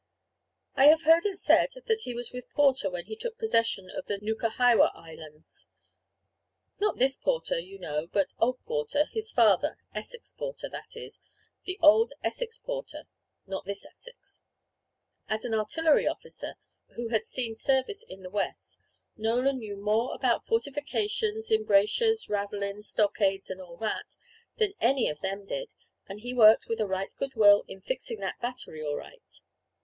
I have heard it said that he was with Porter when he took possession of the Nukahiwa Islands. Not this Porter, you know, but old Porter, his father, Essex Porter that is, the old Essex Porter, not this Essex. As an artillery officer, who had seen service in the West, Nolan knew more about fortifications, embrasures, ravelins, stockades, and all that, than any of them did; and he worked with a right goodwill in fixing that battery all right.